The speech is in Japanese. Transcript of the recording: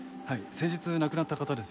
先日亡くなった方ですよね。